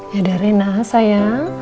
yaudah rina sayang